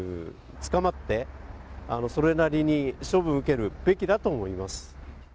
捕まって、それなりに処分受けるべきだと思います。